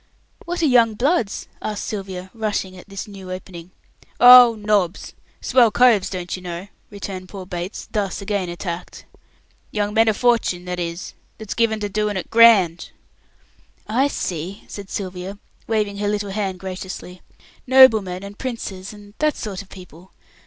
"What are young bloods?" asked Sylvia, rushing at this "new opening". "Oh, nobs! Swell coves, don't you know," returned poor Bates, thus again attacked. "Young men o' fortune that is, that's given to doing it grand." "I see," said Sylvia, waving her little hand graciously. "Noblemen and Princes and that sort of people.